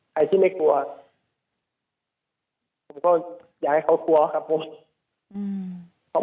ใครที่ไม่กลัวผมก็อยากให้เขากลัวครับผมอืม